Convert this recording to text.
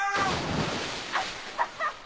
アハハハ！